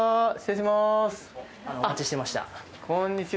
こんにちは。